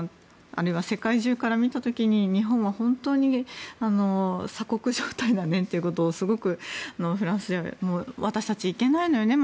あるいは世界中から見た時に日本は本当に鎖国状態だねってことをすごくフランスでは私たち行けないのよね